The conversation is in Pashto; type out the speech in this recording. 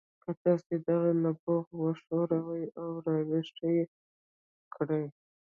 که تاسې دغه نبوغ وښوروئ او راویښ یې کړئ